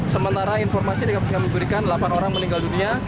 sementara informasi yang kami berikan lapan orang meninggal dunia